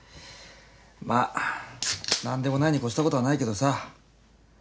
まあ何でもないに越したことはないけどさ。